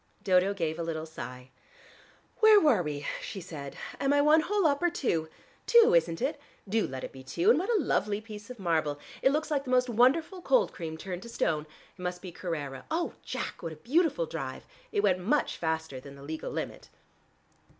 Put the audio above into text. Dodo gave a little sigh. "Where are we?" she said. "Am I one hole up or two? Two, isn't it? Do let it be two. And what a lovely piece of marble. It looks like the most wonderful cold cream turned to stone. It must be Carrara. Oh, Jack, what a beautiful drive! It went much faster than the legal limit."